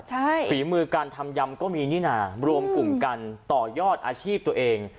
ใช่ฝีมือการทำยำก็มีนี่นารวมกลุ่มกันต่อยอดอาชีพตัวเอง